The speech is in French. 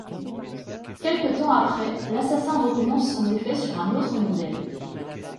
Quelque temps après l'assassin recommence son méfait sur un autre modèle...